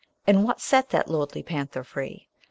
And what set that lordly panther free